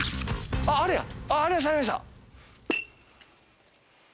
あれや！